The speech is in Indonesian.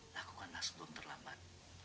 lakukanlah sebelum terlambat